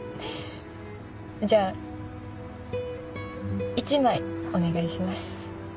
じゃあ１枚お願いします。